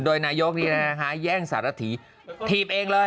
๐๘๙๖๐โดยนายกนี่นะคะแย่งสาหรัฐีทีบเองเลย